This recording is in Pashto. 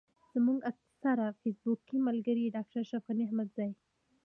زموږ اکثره فېسبوکي ملګري ډاکټر اشرف غني احمدزی.